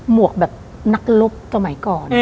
หมวกแบบนักรบก่อน